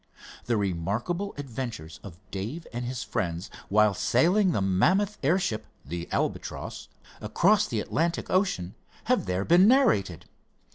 The remarkable adventures of Dave and his friends while sailing the mammoth airship, the Albatross, across the Atlantic Ocean have there been narrated.